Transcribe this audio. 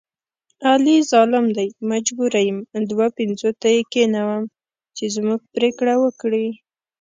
علي ظالم دی مجبوره یم دوه پنځوته یې کېنوم چې زموږ پرېکړه وکړي.